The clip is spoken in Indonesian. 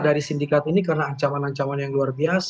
dari sindikat ini karena ancaman ancaman yang luar biasa